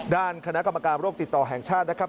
ด้านคณะกรรมการโรคติดต่อแห่งชาตินะครับ